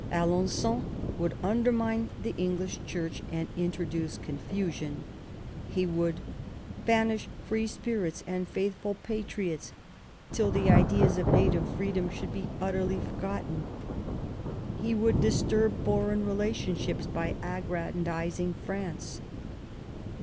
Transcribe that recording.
Alen9on would undermine the English Church and introduce con fusion; he would "banish free spirits and faithful patriots till the ideas of native freedom should be utterly forgotten "; he would disturb foreign relation ships by aggrandising Fi^ance.